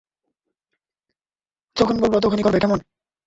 যখন বলব তখনই করবে, কেমন?